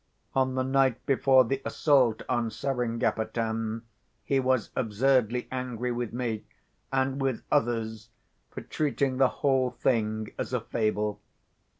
On the night before the assault on Seringapatam, he was absurdly angry with me, and with others, for treating the whole thing as a fable.